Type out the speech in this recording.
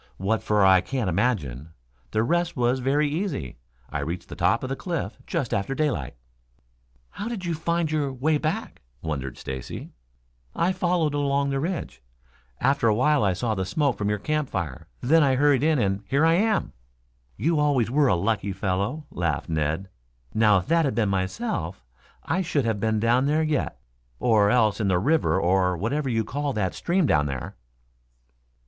What for I cannot imagine. The rest was very easy. I reached the top of the cliff just after daylight." "How how did you find your way back?" wondered Stacy. "I followed along the ridge. After a while I saw the smoke from your camp fire, then I hurried in and here I am." "You always were a lucky fellow," laughed Ned. "Now if that had been myself I should have been down there yet, or else in the river or whatever you call that stream down there."